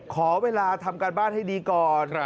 ขอเวลาทำการบ้านให้ดีก่อน